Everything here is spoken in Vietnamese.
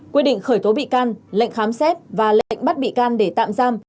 quyết định khởi tố bị can lệnh khám xét và lệnh bắt bị can để tạm giam